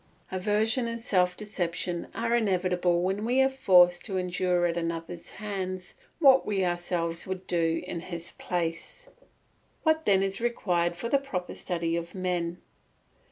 Aversion and self deception are inevitable when we are forced to endure at another's hands what we ourselves would do in his place. What then is required for the proper study of men?